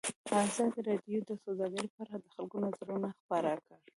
ازادي راډیو د سوداګري په اړه د خلکو نظرونه خپاره کړي.